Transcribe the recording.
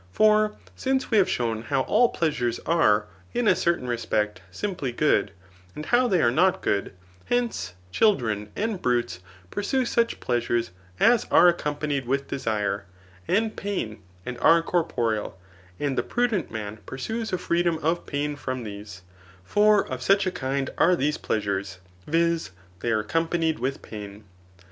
For since we have shown how all pleasures are, in a certain respect, simply good, and how they are not good, hence, children and brutes pursue such pleasures as are accompanied with desire and pain, and are corporeal, and the prudent man pursues a freedom of pain from these ; for of such a kind are these pleasures ; [viz. they are accompanied with pain.